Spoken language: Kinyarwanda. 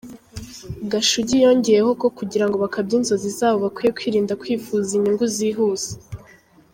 Gashugi yongeyeho ko kugira ngo bakabye inzozi zabo bakwiye kwirinda kwifuza inyungu zihuse.